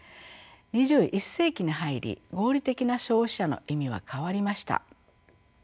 ２１世紀に入り合理的な消費者の意味は変わりました。